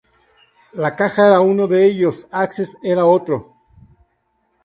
La ""caja"" era uno de ellos—Access era otro.